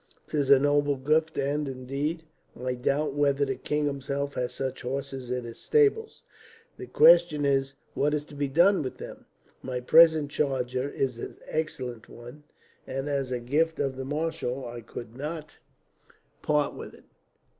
"'Tis a noble gift, and indeed, I doubt whether the king himself has such horses in his stables. The question is, what is to be done with them? My present charger is an excellent one and, as a gift of the marshal, I could not part with it.